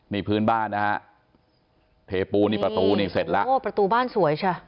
นี่พื้นบ้านนะฮะเทปูนี่ประตูนี่เสร็จแล้วโอ้ประตูบ้านสวยใช่